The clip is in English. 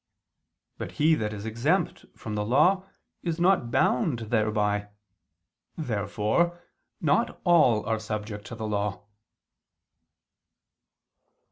But he that is exempt from the law is not bound thereby. Therefore not all are subject to the law.